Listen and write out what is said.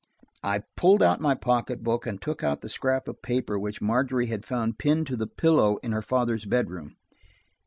I pulled out my pocket book and took out the scrap of paper which Margery had found pinned to the pillow in her father's bedroom.